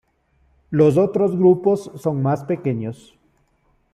Los otros grupos son más pequeños.